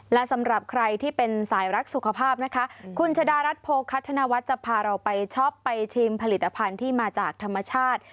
และสำหรับใครที่เป็นสายรักสุขภาพนะคะคุณชะดารัฐโภคัธนวัฒน์จะพาเราไปช็อปไปชิมผลิตภัณฑ์ที่มาจากธรรมชาติ